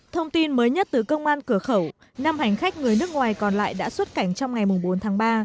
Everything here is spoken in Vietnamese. thông tin mới nhất từ công an cửa khẩu năm hành khách người nước ngoài còn lại đã xuất cảnh trong ngày bốn tháng ba